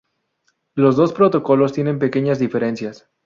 Los dos protocolos tienen pequeñas diferencias.